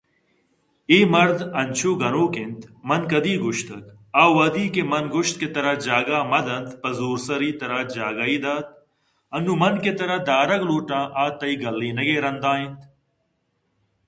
اے مرد انچو گنوک اِنت من کدی گوٛشتگ آ وہدی کہ من گوٛشت کہ تر اجاگہ مہ دنت پہ زورسری تراجاگہئے دات انوں من کہ ترا دارگ لوٹاں آ تئی گلّینگ ءِ رند ا اِنت